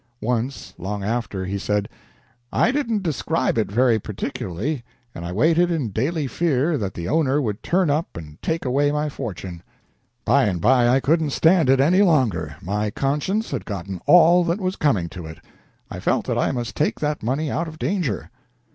Once, long after, he said: "I didn't describe it very particularly, and I waited in daily fear that the owner would turn up and take away my fortune. By and by I couldn't stand it any longer. My conscience had gotten all that was coming to it. I felt that I must take that money out of danger."